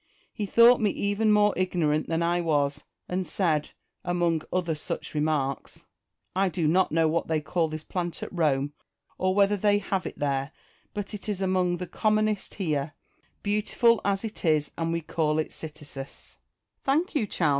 He thought me even more ignorant than I was, and said, among other such remarks, "I do not know what they call this plant at Rome, or whether they have it there ; but it is among the com monest here, beautiful as it is, and we call it cytisus." "Thank you, child!"